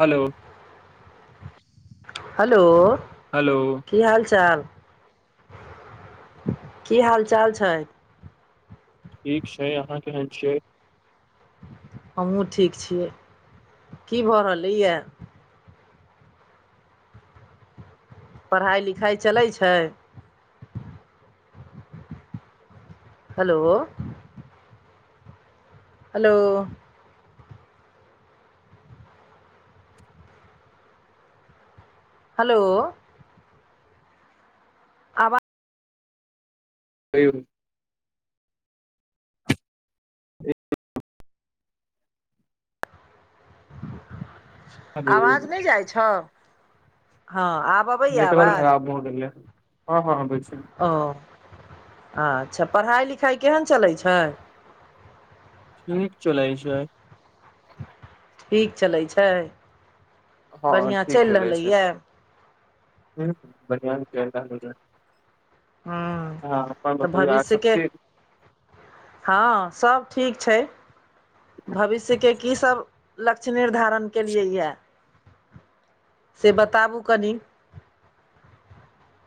Hello hello hello की हाल चाल की हाल चाल छै ठीक छै अहाँ केहन छियै हमहूँ ठीक छियै की भऽ रहलैयए पढ़ाइ लिखाइ चलै छै हेलो हेलो हेलो आवा कहियो हेलो आवाज नहि जाइ छौ हँ आब अबैए नेटवर्क आवाज खराब भ गेलै हँ हँ आबै छै ओ अच्छा पढ़ाइ लिखाइ केहन चलै छै ठीक चलै छै ठीक चलै छै हँ बढ़िआँ ठीक चलि चलै छै रहलैयए ह बढ़िआ चलि रहल छै हूँ हँ अपन तऽ बतबही आर सब भविष्यके ठीक हँ सब ठीक छै भविष्यके की सभ लक्ष्य निर्धारण केलियै यए से बताबू कनि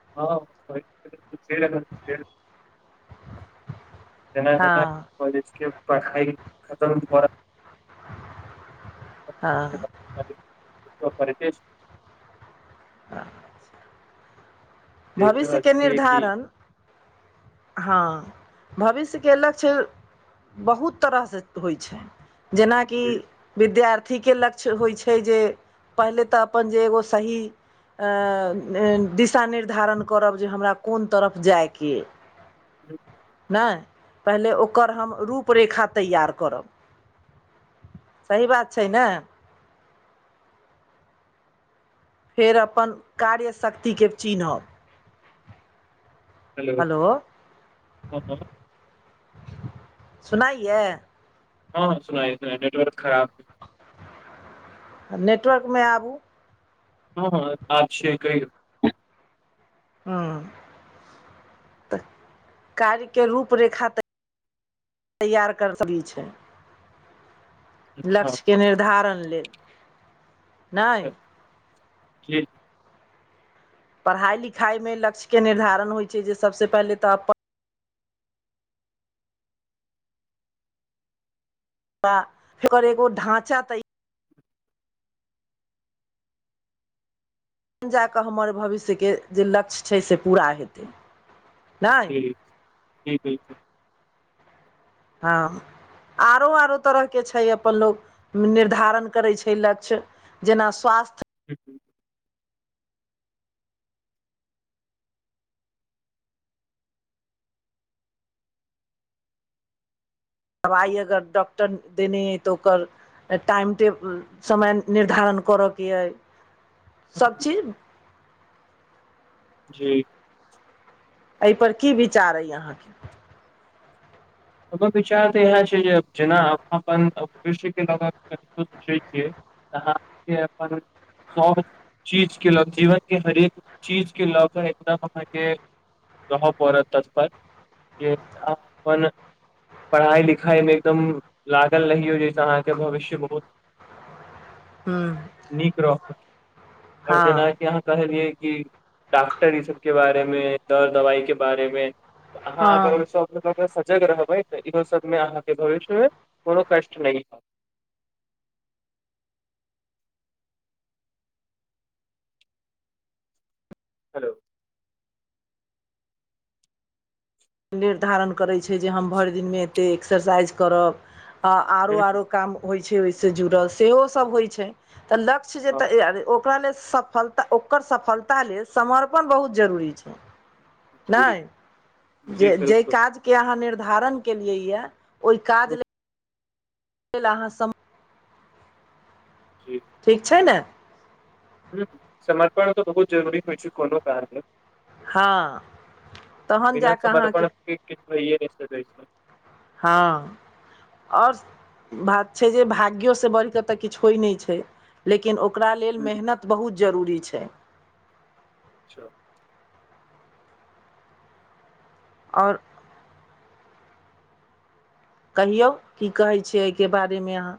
हँ [unintelligible] जेना जेना हँ कॉलेजके पढ़ाइ खतम भऽ रहले हँ कर छै आ देख रहल भविष्यके छियै कि निर्धारण हँ भविष्यके लक्ष्य बहुत तरहसँ होइ छै जेनाकि जी विद्यार्थी के लग लक्ष्य होइ छै जे पहिले तऽ अपन जे एगो सही दिशा निर्धारण करब जे हमरा कोन तरफ जायके अइ [inaudible] नहि पहिले ओकर हम रूपरेखा तैयार करब सही बात छै ने फेर अपन कार्यशक्तिके चिन्हब हेलो हँ हँ सुनाइयए हँ सुनाइ सु नेटवर्क खराब है नेटवर्क मे आबू हँ हँ आज छै कहि ह्म तऽ कार्यके रूप रेखा तऽ तैयार कर सही छै अच्छा लक्ष्यके निर्धारण लेल नहि की पढ़ाई लिखाई मे लक्ष्य के निर्धारण होइ छै जे सबसँ पहिले तऽ फर एगो ढाँचा तै तखन जााकऽ हमर भविष्यके जे लक्ष्य छै से पूरा हेतै नहि जी जी बिलकुल हँ आरो आरो तरहके छै अपन लोक निर्धारण करै छै लक्ष्य जेना स्वास्थ्य ही ह [inaudible] दबाइ अगर डॉक्टर देने अइ तऽ ओकर टाइम टेबुल समय निर्धारण करयके अइ सभचीज जी एहिपर की विचार अइ अहाँके अपनर विचार तऽ इएह छै जे जेना अपन कृष्यके लऽ कऽ कनो सोचैत छियै तऽ अहाँके अपन सब चीज के ल जीवन के हरेक चीज के लऽ के एकदम अहाँके रहऽ पड़त तत्पर जे अपन पढ़ाइ लिखाइमे एकदम लागल रहियौ जाहिसँ अहाँके भविष्य बहुत हूँ नीक रहत आओर हँ जेनाक अहाँ कहलियै कि डॉक्टर ई सब के बारे मे दर दवाई के बारे मे अहाँ अगर हँ सजग रहब इहो सबमे अहाँके भविष्य मे कोनो कष्ट नहि हेलो निर्धारण करैत छै जे हम भरि दिनमे एते एक्सरसाइज करब आ आरो ह आरो काम होइ छै ओहिसँ जुड़ल सेहो सभ होइत छै तऽ लक्ष्य जे त ओकरा लेल सफलता ओकर सफलता लेल समर्पण बहुत जरूरी छै जी नहि जी जे जेहि बिलकुल काज के अहाँ निर्धारण केलियै य ओहि काज लय अहाँ सम जी ठीक छै ने हुँ समर्पण तऽ बहुत जरूरी होइ छै कोनो कारण हँ तहन जाकऽ अहाँके किछ भ नै सकैय छै हाँ आओर बात छै जे भाग्योसँ बढ़िकऽ तऽ किछु होइ नहि छै लेकिन ओ ओकरा लेल हुँ, मेहनत बहुत जरूरी छै अच्छा आओर कहियौ की कहै छैियै एहिके बारेमे अहाँ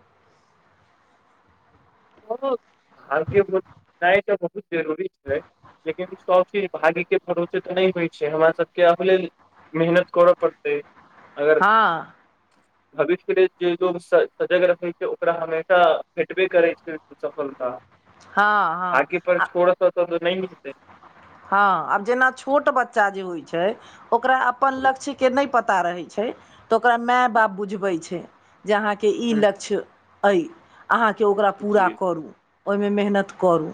ओ भाग्याय तऽ बहुत जरूरी छै लेकिन सब चीज भाग्य के भरोसे थोरे होय छै हमरा सबके अ लेल मेहनत करऽ पड़तेै अगर हँ भविष्य के लेल जे लोग सजग रहै छै ओकरा हमेशा भेटबे करे छै सफलता हँ भाग्य पर हँ छोड़ सा तऽ नहि मिलते हँ आब जेना छोट बच्चा जे होइ छै ओकरा अपन लक्ष्य के नहि पता रहै छै तऽ ओकरा माय बाप बुझबै छै जे अहाँके ई ह लक्ष्य अइ अहाँके ओकरा पूरा जी करू ओहिमे मेहनत करू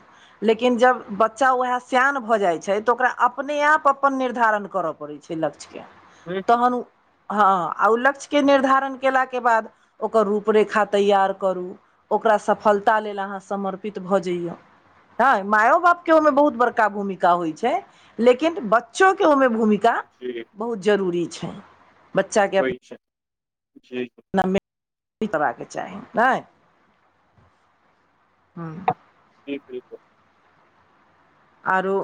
लेकिन जब बच्चा वएह शयान भऽ जाइ छै तऽ ओकरा अपने आप अपन निर्धारण करय पड़ैत छै लक्ष्यके ह तहन ओ हँ आ ओ लक्ष्यके निर्धारण कयेलाके बाद ओकर रूपरेखा तैयार करू ओकरा सफलता लेल अहाँ समर्पित भऽ जाइए नाय मायो बाप के ओहिमें बहुत बड़का भूमिका का होइ छै लेकिन बच्चोके ओहिमे भूमिका जी बहुत जरूरी छै होय छै ठीक कर चाही नहि ह जी बिलकुल आरो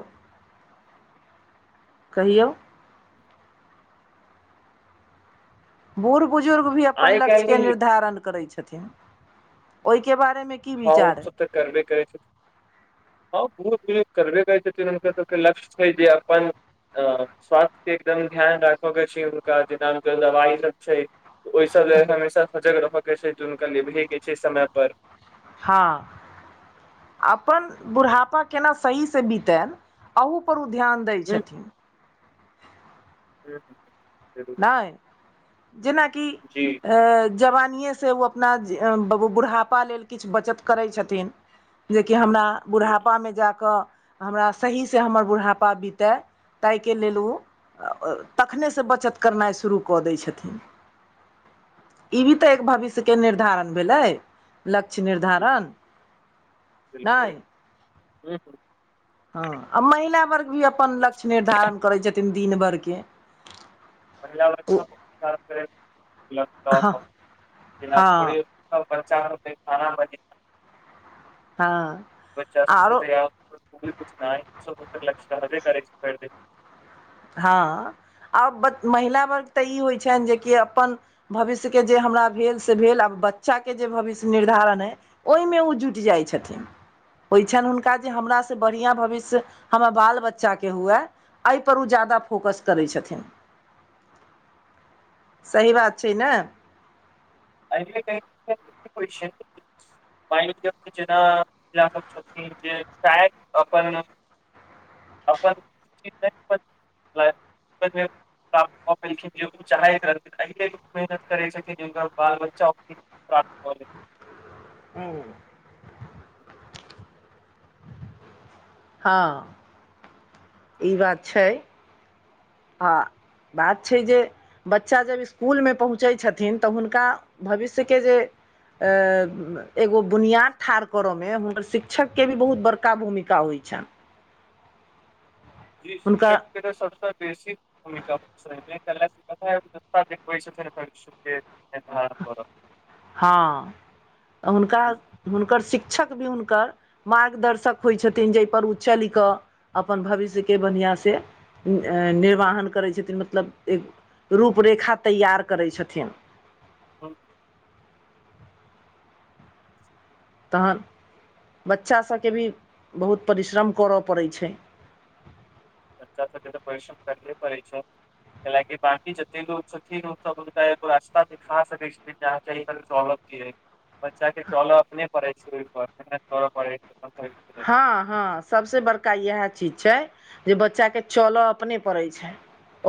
कहियौ बूढ़ बुजुर्ग भी अपन आइ लक्ष्य काल्हि के निर्धारण करै छथिन ओहिके बारे मे हँ ओ सब तऽ करबे करै छै हँ बूढ़ दुर्जुर्ग करबे करै छथिन हुनकर सभके लक्ष्य छै जे अपन अ स्वास्थ्य के एकदम ध्यान राखय के छै हुनका जेना दवाई सब छै ओहि सभ ल हमेशा सजग रहय के छै जुनक ल हय के छै समय पर हँ अपन बुढ़ापा केना सही सँ बितै अहूपर ओ ध्यान दैत हुँ, छथिन [inaudible] जरूर। नहि जेनााकि जी जवानिेसँ ओ अपना बुढ़ापा लेल किछु बचत करै छथिन जेकि हमरा जी बुढ़ापामे जा कऽ हमरा सहीसँ हमर बुढ़ापा बीतय ताहिके लेल ओ तखनेहिसँ बचत करनाइ शुरू कऽ दै छथिन ई भी तऽ एक भविष्य के निर्धारण भेलै लक्ष्य बिल्कुल निर्धारण नहि हू हँ आ महिला वर्ग भी अपन लक्ष्य निर्धारण करै छथिन दिन भरिके पहिला ओ ब कर हँ हँ [unintelligible] सब बच्चा सब [unintelligible] हँ बच्चा सबके आरो तऽ यहाँ किछु न लक कर [unintelligible] हँ आब महिला वर्ग तऽ ई होइ छनि जेकि अपन भविष्यके जे हमरा भेल से भेल आ बच्चाके जे भविष्य निर्धारण अइ ओहिमे ओ जुटि जाइत छथिन ओहि छनि हुनका जे हमरास से बढ़िआँ भविष्य हमर बाल बच्चाे हुए एहिपर ओ जादा फोक्स करै छथिन सही बात छै ने अना [unintelligible] ाय अपन अपन [unintelligible] ्तखिन जे चाहैत रहन अ मेहनत करैत छथिन [unintelligible] बाल बच्च ओी प्रापली [unintelligible] हूँ हँ ई बात छै हँ बात छै जे बच्चा जब स्कूलमे पहुँचै छथिन तऽ हुनका भविष्यके जे एगो बुनियाद ठाढ़ करऽमे हुनकर शिक्षकके भी बहुत बड़का भूमिका होइ छैन जी हुनकर शिक्षक सब बेसी भूमिका होइ छैन [unintelligible] [unintelligible] हँ हुनका हुनकर शिक्षक भी हुनकर मार्गदर्शक होइ छथिन जाहिपर ओ चलि कऽ अपन भविष्यके बढ़िआँ से निर्वाहन करैत छथिन मतलब एक रूपरेखा तैयार करैत छथिन [inaudible] तहन बच्चाभके भी बहुत परिश्रम करअ पड़ै छै बच्चा सभके तऽ परिश्रम करहे पड़ै छै कैय ल कि बाकी जते लोग छथिन ओ सब हुनका एगो रास्ता देखा सकै छै [unintelligible] बच्चा के चलअ अपने परै छै ओइ पर मेहनत करअ परै छै [unintelligible] हँ हँ सबसँ बड़का यैह चीज छै जे बच्चा के चलऽ अपने पड़ै छै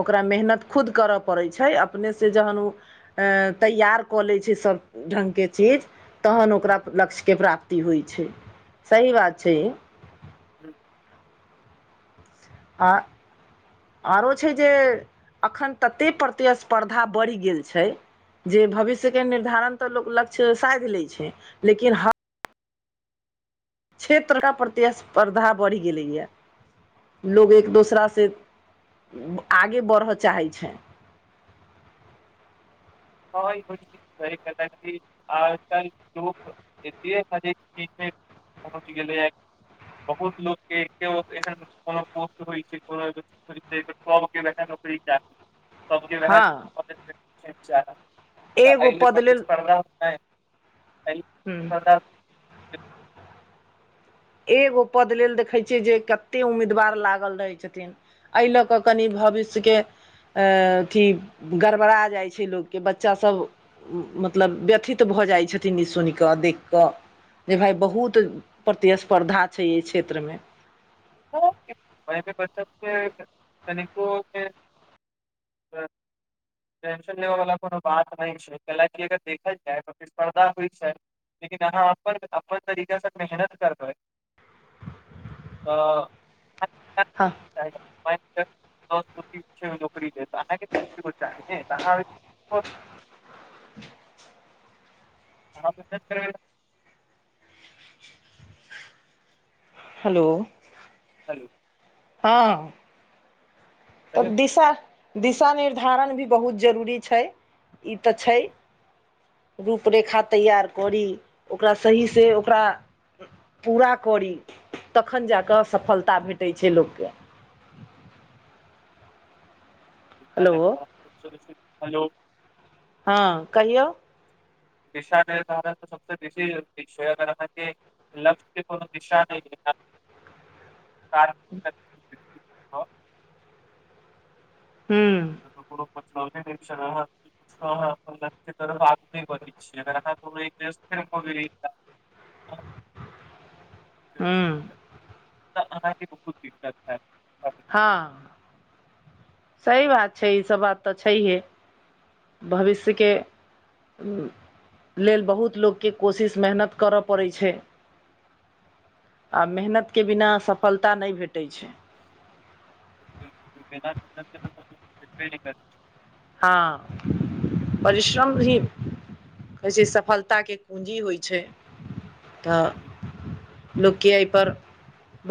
ओकरा मेहनत खुद करऽ पड़ै छै अपनेसँ जहन उ तैयार कऽ लैऽ छै सभ ढंग के चीज तहन ओकरा लक्ष्य के प्राप्ति होइ छै सही बात छै ई आ आउरो छै जे एखन तते प्रतिस्पर्धा बढ़ि गेल छै जे भविष्य के निर्धारण तऽ लोक लक्ष्य साधि लेय छै लेकिन ह क्षेत्र क प्रतिस्पर्धा बढ़ि गेलै यऽ लोग एक दोसरा से आगे बढ़य चाहैत छै [unintelligible] [unintelligible] पहुँच गेलै य बहुत लोकके केओ एहन कोनो पोस्ट होइ छै कोनो [unintelligible] सबके वेहैय हँ त एगो अल पद लेल प्रतिस्पर्दा नही एही हूँ लेल [unintelligible] एगो पद लेल देखे छिय जे कते उम्मीदवार लागल रहे छथिन एहि लऽ कऽ कनि भविष्यके अथी गड़बड़ा जाइ छै लोकके बच्चासभ मतलब व्यथित भऽ जाइत छथिन ई सुनि कऽ देखि कऽ जे भाय बहुत प्रतिस्पर्धा छै एहि क्षेत्रमे [unintelligible] कनिको के [unintelligible] टेंशन लेबऽ वाला कोनो बात नहि छै कैयल की अगर देखल जाय तऽ फिर पर्दा होइ छै लेकिन अहाँ अपन अपन तरीका से मेहनत करबै तऽ [unintelligible] हँ [unintelligible] नौकरी देत अहाँके [unintelligible] त अहाँ आहाँ अपन टेस्ट करबे हेलो हेलो हँ ठीक तब है, दिशा दिशा निर्धारण भी बहुत जरूरी छै ई तऽ छै रूपरेखा तैयार करी ओकरा सही सँ ओकरा पूरा करी तखन जा कऽ सफलता भेटैत छै लोकके हेलो हेलो हँ कहियौ दिशा निर्धारण सबसे बेसी जे छै अहांके लक्ष्य के कोनो दिशा नहि होइया काज [inaudible] हू ह [unintelligible] [unintelligible] [inaudible] ठीक हूँ छै त अहाँके बहुत दिक्कत हैत हँ सही बात छै ई सब बात तऽ छैहे भविष्यके लेल बहुत लोकके कोशिश मेहनत करय पड़ै छै आ मेहनत के बिना सफलता नहि भेटैत छै बिलकुल बिना मेहनत [unintelligible] हँ परिश्रम भी कहै छै सफलताके कुंजी होइ छै तऽ नहि लोकके एहिपर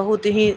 बहुत ही